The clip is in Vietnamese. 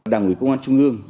đảng ủy công an trung ương